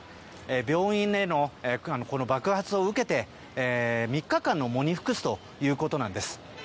病院への爆発を受けて、３日間の喪に服すということです。